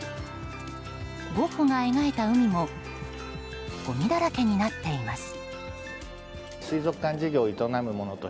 ゴッホが描いた海もごみだらけになっています。